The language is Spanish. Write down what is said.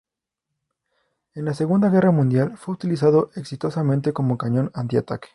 En la Segunda Guerra Mundial fue utilizado exitosamente como cañón antitanque.